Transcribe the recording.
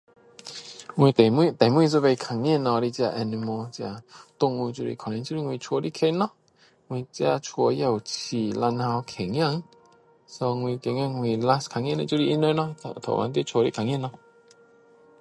我最后，最后一次看见物的，这 animal，这动物。可能就是我家的狗咯。我自家也有养两头狗仔，so 我觉得我 last 看见的就是它们咯，刚才在家看见咯！